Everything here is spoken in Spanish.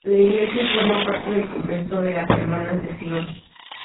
La iglesia forma parte del Convento de las Hermanas de Sion.